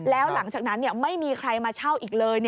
แล้วหลังจากนั้นไม่มีใครมาเช่าอีกเลย